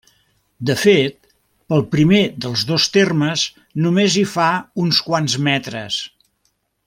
De fet, pel primer dels dos termes només hi fa uns quants metres.